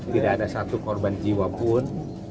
tidak ada satu korban jiwa pun